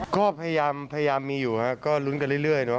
ก็พยายามมีอยู่ครับก็ลุ้นกันเรื่อยเนาะ